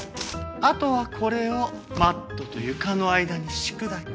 あとはこれをマットと床の間に敷くだけ。